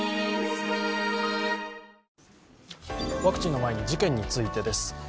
ワクチンの前に事件についてです。